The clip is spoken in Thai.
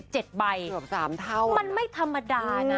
เกือบ๓เท่ามันไม่ธรรมดานะ